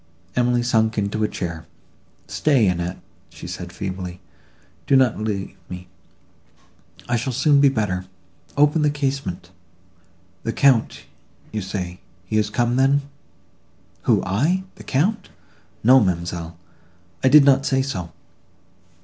Emily sunk into a chair. "Stay, Annette," said she, feebly, "do not leave me—I shall soon be better; open the casement.—The Count, you say—he is come, then?" "Who, I!—the Count! No, ma'amselle, I did not say so."